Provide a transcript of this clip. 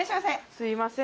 すいません。